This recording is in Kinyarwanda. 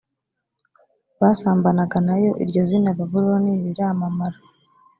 basambanaga na yo iryo zina babuloni riramamara